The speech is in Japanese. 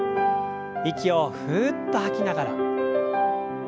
息をふっと吐きながら。